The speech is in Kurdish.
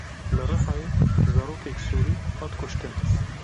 Li Rihayê zarokekî Sûrî hat kuştin.